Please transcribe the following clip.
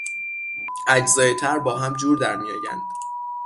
اجزای طرح با هم جور در میآیند.